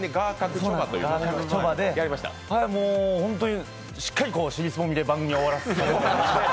ホントにしっかり尻すぼみで番組を終わらせていただきまして。